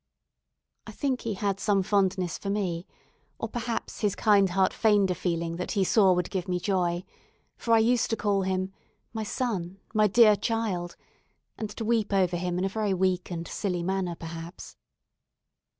I think he had some fondness for me, or, perhaps, his kind heart feigned a feeling that he saw would give me joy; for I used to call him "My son my dear child," and to weep over him in a very weak and silly manner perhaps.